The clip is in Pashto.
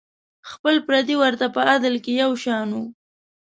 خپل پردي ورته په عدل کې یو شان وو.